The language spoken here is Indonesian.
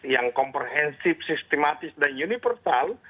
yang komprehensif sistematis dan universal